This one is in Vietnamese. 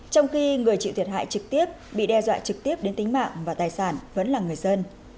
trong khi người chịu thiệt hại trực tiếp bị đe dọa trực tiếp đến tính mạng và tài sản vẫn là người dân